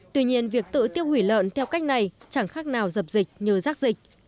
tuy nhiên việc tự tiêu hủy lợn theo cách này chẳng khác nào dập dịch như rác dịch